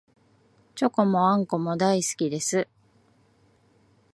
チョコもあんこも大好きです